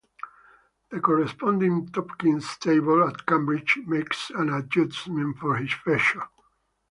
The corresponding Tompkins Table at Cambridge makes an adjustment for this feature.